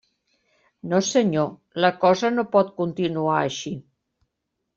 No senyor; la cosa no pot continuar així.